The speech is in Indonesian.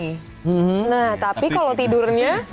nah tapi kalau tidurnya